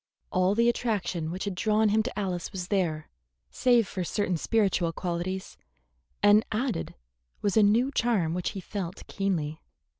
All the attraction which had drawn him to Alice was there, save for certain spiritual qualities, and added was a new charm which he felt keenly.